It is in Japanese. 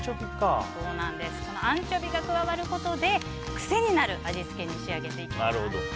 アンチョビが加わることで癖になる味付けに仕上げていきます。